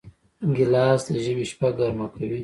ګیلاس د ژمي شپه ګرمه کوي.